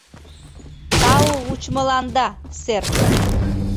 — Тау вучымыланда, сэр.